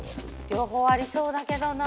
両方ありそうだけどな。